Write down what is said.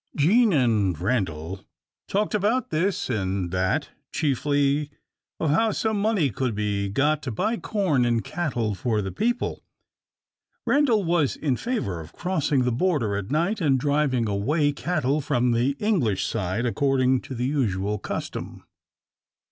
Jean and Randal talked about this and that, chiefly of how some money could be got to buy corn and cattle for the people. Randal was in favour of crossing the Border at night, and driving away cattle from the English side, according to the usual custom.